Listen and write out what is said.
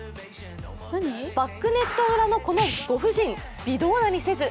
バックネット裏のこのご婦人、微動だにせず。